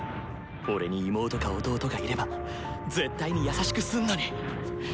俺に妹か弟がいれば絶対に優しくすんのに！